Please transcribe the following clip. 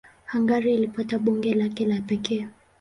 Hungaria ilipata bunge lake la pekee.